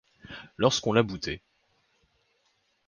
Lorsqu’on l’a bootée.